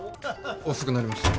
遅くなりました。